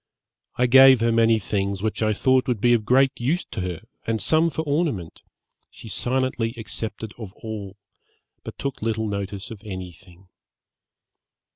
I gave her many things which I thought would be of great use to her, and some for ornament; she silently accepted of all, but took little notice of any thing.